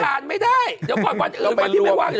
อ่านไม่ได้เดี๋ยวก่อนวันอื่นวันที่ไม่ว่าง